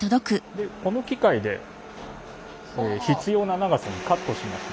でこの機械で必要な長さにカットします。